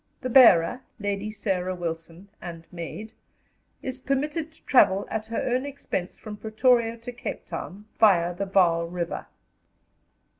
The bearer, Lady Sarah. Wilson (and maid) is permitted to travel at her own expense from Pretoria to Cape Town via the Vaal River.